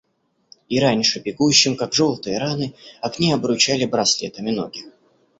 И раньше бегущим, как желтые раны, огни обручали браслетами ноги.